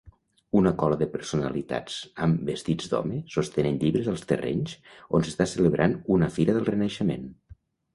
Una cola de personalitats amb vestits d'home sostenen llibres als terrenys on s'està celebrant una Fira del Renaixement